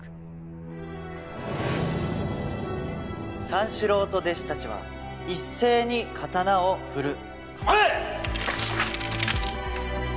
三四郎と弟子たちは一斉に刀を振る。